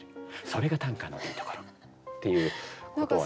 それが短歌のいいところっていうことをね。